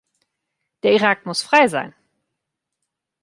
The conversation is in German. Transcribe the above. Der Irak muss frei sein!